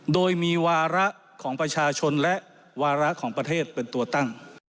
โดยมีวาระของประชาชนและวาระของประเทศเป็นตัวตั้ง